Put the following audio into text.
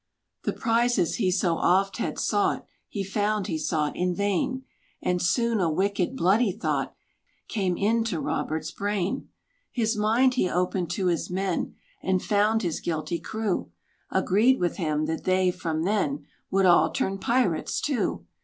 The prizes he so oft had sought, He found he sought in vain; And soon a wicked, bloody thought, Came into Robert's brain! His mind he opened to his men; And found his guilty crew Agreed with him, that they, from then, Would all turn pirates too!